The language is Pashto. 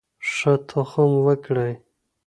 ښه تخم وکرئ.